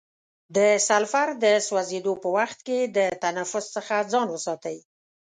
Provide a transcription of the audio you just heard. د سلفر د سوځیدو په وخت کې د تنفس څخه ځان وساتئ.